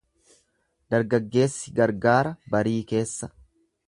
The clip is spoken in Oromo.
Dargaggeessi gargaara barii keessa.